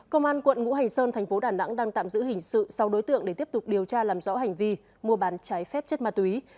công an quận ngũ hành sơn thành phố đà nẵng đang tạm giữ hình sự sau đối tượng để tiếp tục điều tra làm rõ hành vi mua bán trái phép chất ma túy